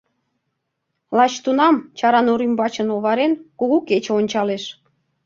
Лач тунам, Чаранур ӱмбачын оварен, кугу кече ончалеш.